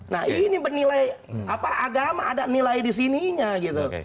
nah ini bernilai agama ada nilai di sininya gitu